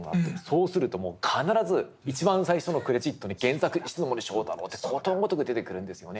そうするともう必ず一番最初のクレジットに「原作石森章太郎」ってことごとく出てくるんですよね。